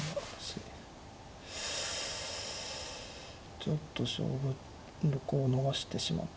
ちょっと勝負どころを逃してしまった。